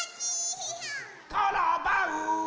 コロバウ！